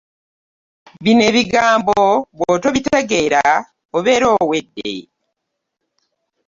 Bino ebigambo bw'otobitegeera obeera owedde.